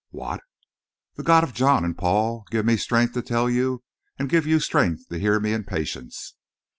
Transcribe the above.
"What!" "The God of John and Paul give me strength to tell and give you strength to hear me in patience!